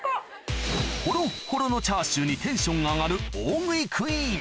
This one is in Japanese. ホロッホロのチャーシューにテンションが上がる大食いクイーン